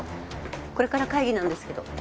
これから会議なんですけど。